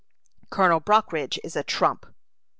Colonel Brockridge is a trump!"